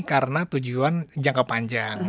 karena tujuan jangka panjang